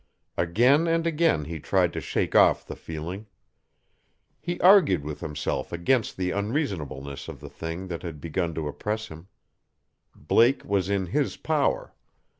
Again and again he tried to shake off the feeling. He argued with himself against the unreasonableness of the thing that had begun to oppress him. Blake was in his power.